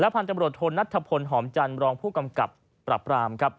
และพันธุ์ตำรวจฮนนัตถพลหอมจันทร์รองผู้กำกับปรับราม